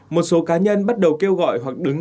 một số cá nhân bắt đầu kêu gọi hoặc đứng